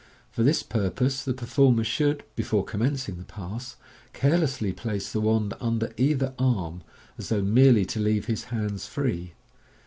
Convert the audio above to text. For this purpose the performer should, before commencing the pass, carelessly place the wand under either arm, as though merely to leave his hands free.